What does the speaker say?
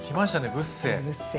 ブッセ。